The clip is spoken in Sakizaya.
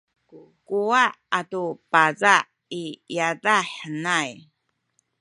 kuwa’ atu paza’ i yadah henay